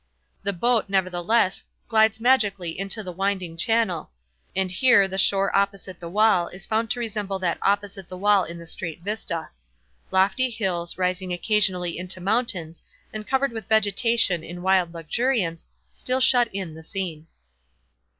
The boat, nevertheless, glides magically into the winding channel; and here the shore opposite the wall is found to resemble that opposite the wall in the straight vista. Lofty hills, rising occasionally into mountains, and covered with vegetation in wild luxuriance, still shut in the scene.